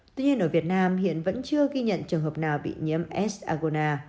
tuy nhiên ở việt nam hiện vẫn chưa ghi nhận trường hợp nào bị nhiễm sars agona